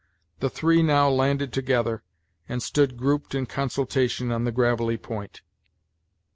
The three now landed together, and stood grouped in consultation on the gravelly point.